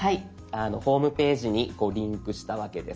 ホームページにリンクしたわけです。